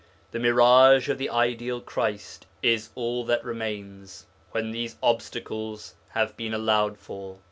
The mirage of the ideal Christ is all that remains, when these obstacles have been allowed for.